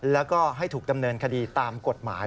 แล้วก็ให้ถูกดำเนินคดีตามกฎหมาย